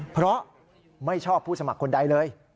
เพราะไม่ชอบผู้สมัครคนใดเลย